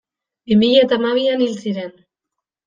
Bi mila eta hamabian hil ziren.